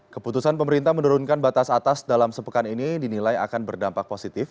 keputusan pemerintah menurunkan batas atas dalam sepekan ini dinilai akan berdampak positif